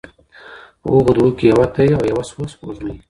په هغو دوو کي يوه ته يې او يوه سوه سپوږمۍ